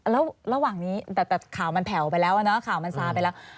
แล้วระหว่างนี้แต่ข่าวมันแผ่วไปแล้วเนอะข่าวมันซาไปแล้ว